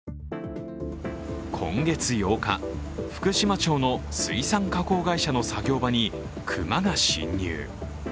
今月８日、福島町の水産加工会社の作業場に熊が侵入。